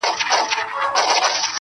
زه د تورسترگو سره دغسي سپين سترگی يمه.